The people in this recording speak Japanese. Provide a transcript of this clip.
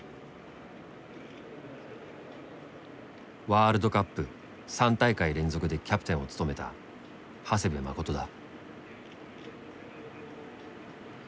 ワールドカップ３大会連続でキャプテンを務めた長谷部誠だ。